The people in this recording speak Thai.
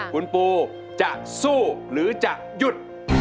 คุณปูจะสู้หรือจะหยุด